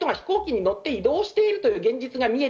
感染している人が飛行機に乗って移動しているという現実が見えて